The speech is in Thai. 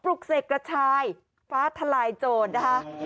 ลุกเสกกระชายฟ้าทลายโจรนะคะ